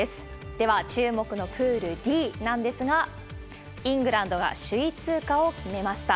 では、注目のプールＤなんですが、イングランドが首位通過を決めました。